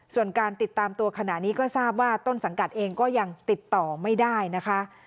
ส่วนการติดตามตัวขณะนี้ก็ทราบว่าต้นสังกัดเองก็ยังติดต่อไม่ได้นะคะ